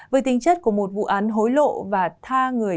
với tính chất của một vụ án hối lộ và tha người